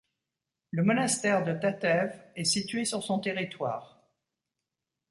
Le monastère de Tatev est situé sur son territoire.